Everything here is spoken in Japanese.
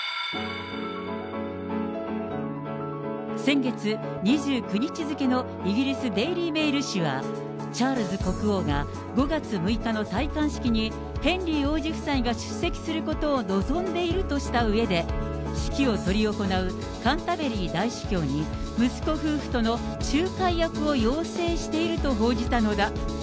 先月２９日付のイギリス、デイリー・メール紙は、チャールズ国王が５月６日の戴冠式に、ヘンリー王子夫妻が出席することを望んでいるとしたうえで、式を執り行うカンタベリー大主教に、息子夫婦との仲介役を要請していると報じたのだ。